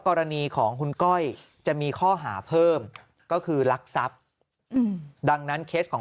กรณีของคุณก้อยจะมีข้อหาเพิ่มก็คือลักทรัพย์ดังนั้นเคสของ